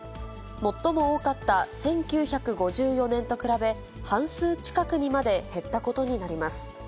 最も多かった１９５４年と比べ、半数近くにまで減ったことになります。